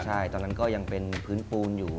ใช่ตอนนั้นก็ยังเป็นพื้นปูนอยู่